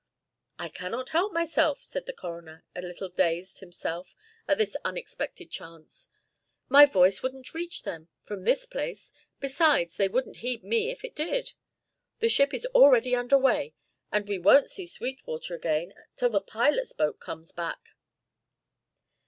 "I cannot help myself," said the coroner, a little dazed himself at this unexpected chance. "My voice wouldn't reach them from this place; besides they wouldn't heed me if it did. The ship is already under way and we won't see Sweetwater again till the pilot's boat comes back."